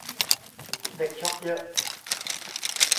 เด็กช็อคเยอะ